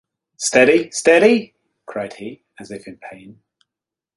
“Steady, steady!” cried he, as if in pain.